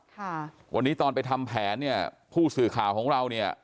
ค่ะวันนี้ตอนไปทำแผนเนี่ยผู้สื่อข่าวของเราเนี่ย